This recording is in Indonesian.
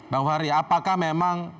bang fahri apakah memang